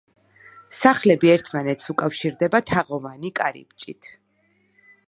სახლები ერთმანეთს უკავშირდება თაღოვანი კარიბჭით.